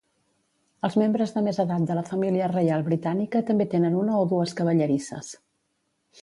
Els membres de més edat de la família reial britànica també tenen una o dues cavallerisses.